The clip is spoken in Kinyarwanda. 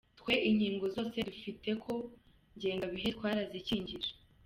Twe inkingo zose dufite ku ngengabihe twarazikingije.